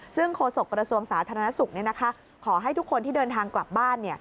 ซึ่งโฆษกระทรวงสาธารณสุขขอให้ทุกคนที่เดินทางกลับบ้าน